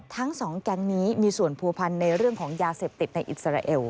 ทั้งสองแก๊งนี้มีส่วนผัวพันธ์ในเรื่องของยาเสพติดในอิสราเอล